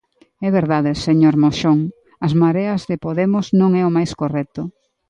É verdade, señor Moxón: As Mareas de Podemos non é o máis correcto.